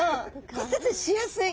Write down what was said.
骨折しやすい。